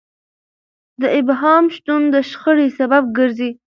د ابهام شتون د شخړې سبب ګرځي.